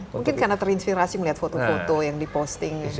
mungkin karena terinspirasi melihat foto foto yang diposting